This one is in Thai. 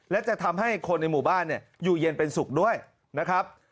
และจะทำให้คนในหมู่บ้านอยู่เย็นเป็นสุขด้วยนะครับ